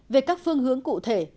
về các phương hướng cụ thể